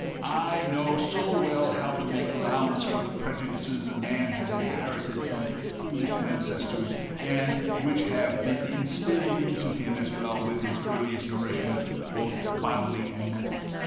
I know so well how to make allowance for the prejudices a man has inherited from foolish ancestors, and which have been instilled into him, as well, with his earliest nourishment, both bodily and mental.